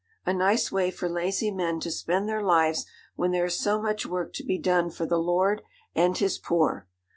A nice way for lazy men to spend their lives when there is so much work to be done for the Lord and his poor!